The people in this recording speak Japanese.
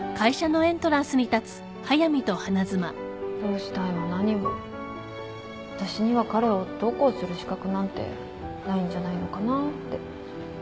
どうしたいも何も私には彼をどうこうする資格なんてないんじゃないのかなって。